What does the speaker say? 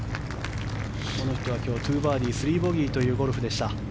この人は今日２バーディー３ボギーというゴルフでした。